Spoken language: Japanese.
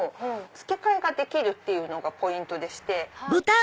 付け替えができるっていうのがポイントでして。